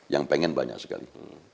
yang pengen banyak sekali